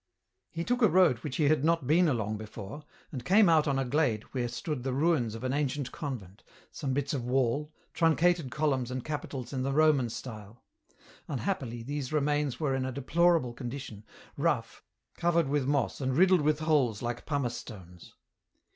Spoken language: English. He took a road which he had not been along before, and came out on a glade where stood the ruins of an ancient convent, some bits of wall, truncated columns and capitals in the Roman style; unhappily these remains were in a deplorable condition, rough, covered with moss and riddled with holes like pumice stones.